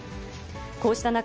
こうした中、